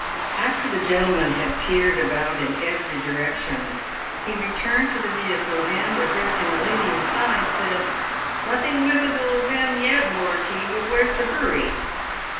After the gentleman had peered about in every direction, he re turned to the vehicle, and, addressing a lady inside, said, " Nothing wisible of them yet, "Wortey; but where's the hurry?"